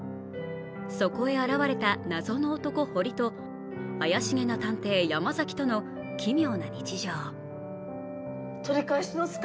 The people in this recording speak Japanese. そこへ現れた謎の男、堀と怪しげな探偵、山崎との奇妙な日常。